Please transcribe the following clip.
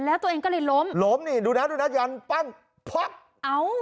แล้วตัวเองก็เลยล้มล้มนี่ดูเนี้ยดูเนี้ยยันปั้งพามเอา